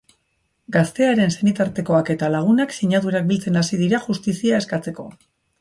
Gaztearen senitartekoak eta lagunak sinadurak biltzen hasi dira justizia eskatzeko.